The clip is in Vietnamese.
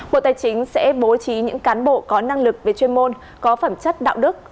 bộ tài chính sẽ bố trí những cán bộ có năng lực về chuyên môn có phẩm chất đạo đức